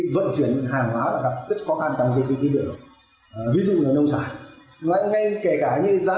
vận chuyển hàng hóa là rất khó khăn tầm kỳ tư tư được